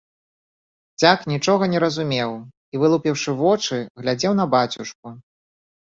Дзяк нічога не разумеў і, вылупіўшы вочы, глядзеў на бацюшку.